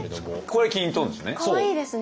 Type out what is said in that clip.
これきんとんですね？